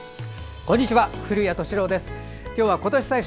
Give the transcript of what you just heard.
こんにちは。